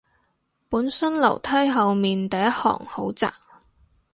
本身樓梯後面第一行好窄